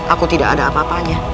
aku tidak ada apa apanya